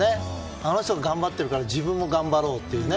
あの人も頑張っているから自分も頑張ろうというね。